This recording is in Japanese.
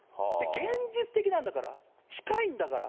現実的なんだから、近いんだから。